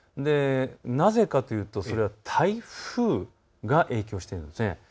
なぜかというと、それは台風が影響しているんです。